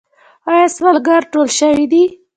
آیا سوالګر ټول شوي دي؟